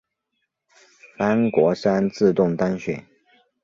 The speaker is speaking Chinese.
潘国山自动当选。